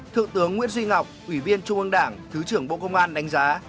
thượng tướng nguyễn duy ngọc ủy viên trung ương đảng thứ trưởng bộ công an đánh giá